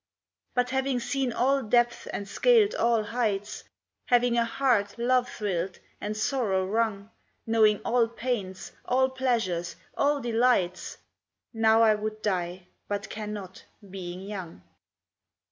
But having seen all depths and scaled all heights, Having a heart love thrilled, and sorrow wrung, Knowing all pains, all pleasures, all delights, Now I would die but cannot, being young.